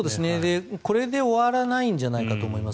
これで終わらないんじゃないかと思います。